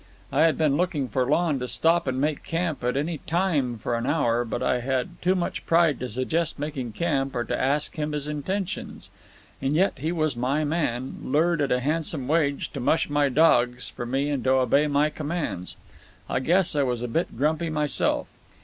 I had been looking for Lon to stop and make camp any time for an hour; but I had too much pride to suggest making camp or to ask him his intentions; and yet he was my man, lured at a handsome wage to mush my dogs for me and to obey my commands. I guess I was a bit grumpy myself.